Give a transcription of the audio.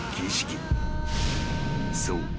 ［そう。